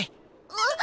あっ！